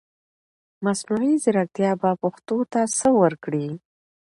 مصنوعي ځرکتيا به پښتو ته سه ورکړٸ